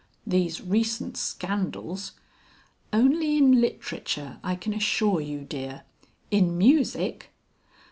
These recent scandals...." "Only in literature, I can assure you, dear. In music...."